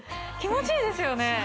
気持ちいいですよね